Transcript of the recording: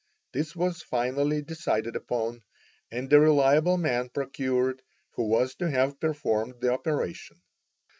This was finally decided upon, and a reliable man procured, who was to have performed the operation.